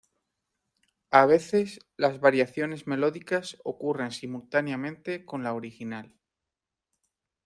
A veces las variaciones melódicas ocurren simultáneamente con la original.